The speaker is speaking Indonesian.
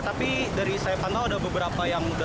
tapi dari saya pantau ada beberapa orang yang luka luka